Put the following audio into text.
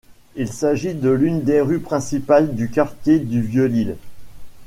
Il s'agit de l'une des rues principales du quartier du Vieux-Lille.